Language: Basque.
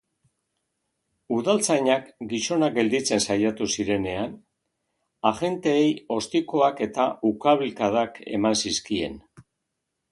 Udaltzainak gizona gelditzen saiatu zirenean, agenteei ostikoak eta ukabilkadak eman zizkien.